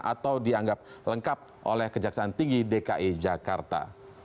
atau dianggap lengkap oleh kejaksaan tinggi dki jakarta